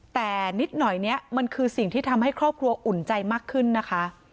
แต่นิดหน่อยเนี่ยมันคือสิ่งที่ทำให้ครอบครัวอุ่นใจมากขึ้นนะคะ